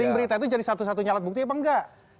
link berita itu jadi satu satunya alat bukti apa enggak